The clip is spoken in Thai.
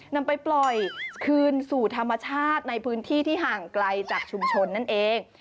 นำไปปล่อยคืนสู่ธรรมชาติในพื้นที่ที่ห่างไกลจากชุมชนนั่นเอง